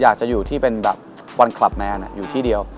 อยากจะอยู่ที่เป็นแบบวันคลับแมนอยู่ที่เดียว